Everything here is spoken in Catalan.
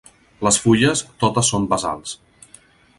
Les fulles totes són basals.